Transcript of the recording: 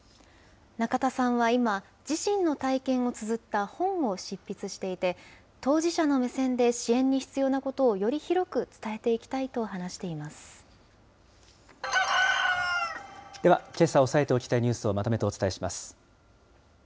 仲田さんは今、自身の体験をつづった本を執筆していて、当事者の目線で支援に必要なことを、より広く伝えていきたいと話では、けさ押さえておきたいニュースをまとめてお伝えします。